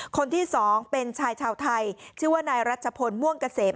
คนที่สองเป็นชายชาวไทยชื่อว่านายรัชพลม่วงเกษม